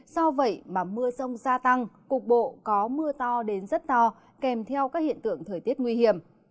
do vậy mà mưa sông gia tăng cục bộ có mưa to đến rất to kèm theo các hiện tượng thời tiết nguy hiểm